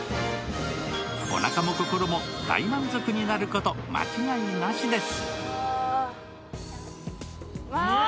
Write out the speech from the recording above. おなかも心も大満足になること間違いなしです。